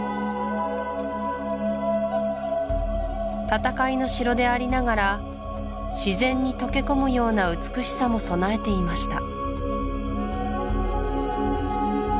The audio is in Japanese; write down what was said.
戦いの城でありながら自然に溶け込むような美しさも備えていました